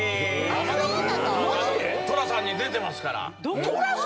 そうなの⁉寅さんに出てますから。